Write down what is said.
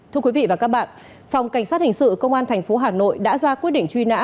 thưa quý vị và các bạn phòng cảnh sát hình sự công an tp hà nội đã ra quyết định truy nã